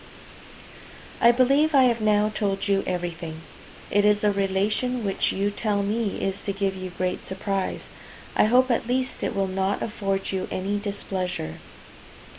I believe I have now told you everything. It is a relation which you tell me is to give you great surprise; I hope at least it will not afford you any displeasure.